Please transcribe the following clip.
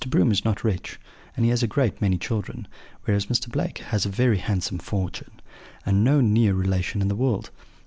Broom is not rich, and he has a great many children; whereas Mr. Blake has a very handsome fortune, and no near relation in the world.